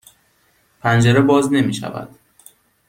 پنجره باز نمی شود.